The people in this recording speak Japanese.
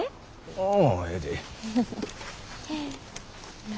ああええで。